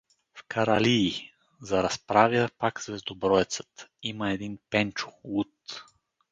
— В Каралий — заразправя пак Звездоброецът — има един Пенчо, луд.